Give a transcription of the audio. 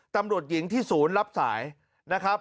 ตำรวจหญิงที่ศูนย์รับสายนะครับ